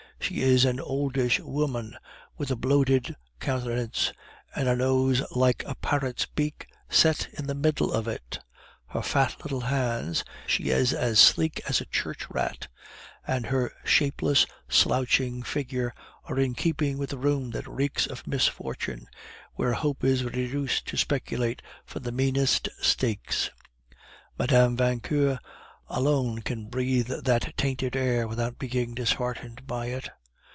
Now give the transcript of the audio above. She is an oldish woman, with a bloated countenance, and a nose like a parrot's beak set in the middle of it; her fat little hands (she is as sleek as a church rat) and her shapeless, slouching figure are in keeping with the room that reeks of misfortune, where hope is reduced to speculate for the meanest stakes. Mme. Vauquer alone can breathe that tainted air without being disheartened by it.